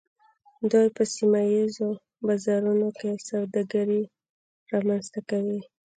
دوی په سیمه ایزو بازارونو کې سوداګري رامنځته کوي